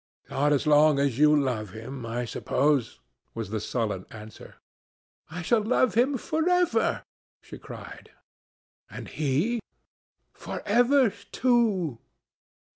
"Not as long as you love him, I suppose," was the sullen answer. "I shall love him for ever!" she cried. "And he?" "For ever, too!"